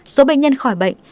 số bệnh nhân khỏi bệnh